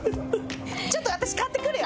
ちょっと私買ってくるよ。